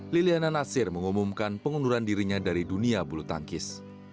liliana nasir mengumumkan pengunduran dirinya dari dunia bulu tangkis